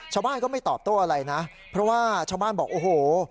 ชาวบ้านก็ไม่ตอบโต้อะไรนะเพราะว่าชาวบ้านบอกโอ้โห